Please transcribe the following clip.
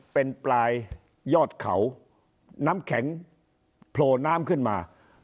เป็นปลายยอดเขาน้ำแข็งโผล่น้ำขึ้นมา